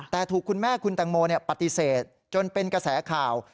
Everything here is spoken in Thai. แต่ถูกคุณแม่คุณแตงโมปฏิเสธจนเป็นกระแสข่าว